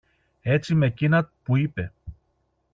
Έτσι, μ' εκείνα που είπε.